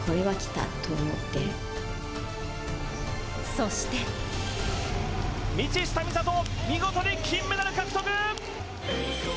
そして道下美里、見事に金メダル獲得！